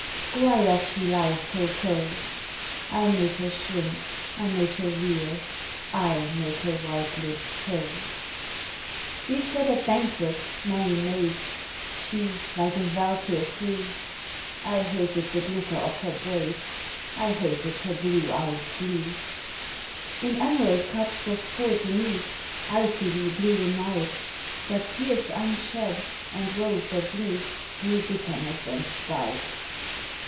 Why does she lie so cold? (I made her shrink, I made her reel, I made her white lids fold.) We sat at banquet, many maids, She like a Valkyr free. (I hated the glitter of her braids, I hated her blue eye's glee!) In emerald cups was poured the mead; Icily blew the night. (But tears unshed and woes that bleed Brew bitterness and spite.)